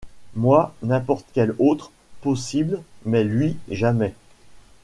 Moi ! n’importe quel autre, possible ! mais lui ! jamais.